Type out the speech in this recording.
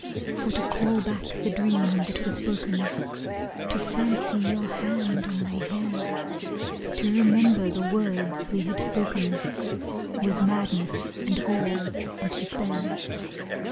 For to call back the dream that was broken, To fancy your hand on my hair, To remember the words we had spoken, Was madness, and gall, and despair.